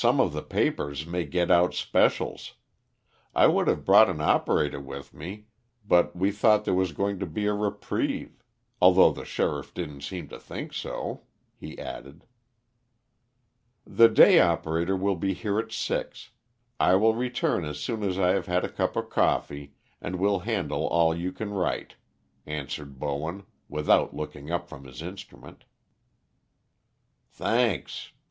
Some of the papers may get out specials. I would have brought an operator with me but we thought there was going to be a reprieve although the sheriff didn't seem to think so," he added. "The day operator will be here at six, I will return as soon as I have had a cup of coffee, and we'll handle all you can write," answered Bowen, without looking up from his instrument. "Thanks.